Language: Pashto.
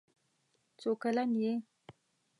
څو کلن یې؟